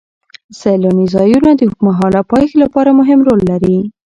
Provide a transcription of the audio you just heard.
سیلاني ځایونه د اوږدمهاله پایښت لپاره مهم رول لري.